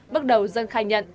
bước đầu dân khai nhận